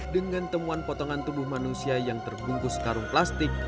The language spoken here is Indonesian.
dengan temuan potongan tubuh manusia yang terbungkus karung plastik